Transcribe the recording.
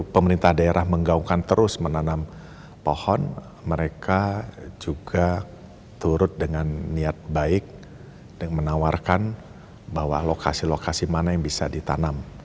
pemerintah daerah menggaungkan terus menanam pohon mereka juga turut dengan niat baik dengan menawarkan bahwa lokasi lokasi mana yang bisa ditanam